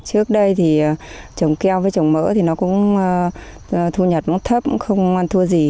trước đây thì trồng keo với trồng mỡ thì nó cũng thu nhập cũng thấp cũng không ăn thua gì